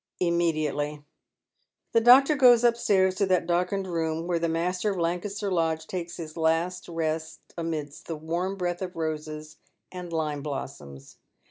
" Immediately." The doctor goes upstairs to that darkened room where the master of Lancaster Lodge takes his last rest amidst the warm breath of roses and lime blossoms.